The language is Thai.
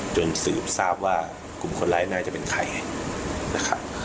จนสืบทราบว่ากลุ่มคนร้ายน่าจะเป็นใครนะครับ